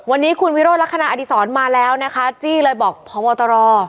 วันนี้คุณวิโรธลักษณะอดีศรมาแล้วนะคะจี้เลยบอกพบตร